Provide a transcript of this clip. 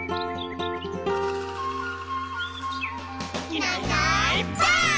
「いないいないばあっ！」